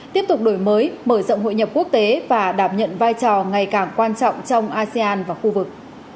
tiếp tục đổi mới mở rộng hội nhập quốc tế và đảm nhận vai trò ngày càng quan trọng trong asean và khu vực